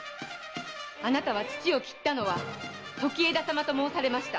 あなたは父を斬ったのは時枝様と申されました。